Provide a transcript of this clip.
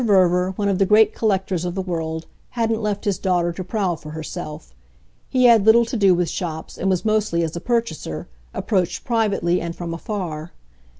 Verver, one of the great collectors of the world, hadn't left his daughter to prowl for herself; he had little to do with shops, and was mostly, as a purchaser, approached privately and from afar.